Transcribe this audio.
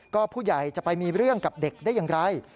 ก็ผู้ใหญ่จะไปมีเรื่องกับเด็กได้อย่างไร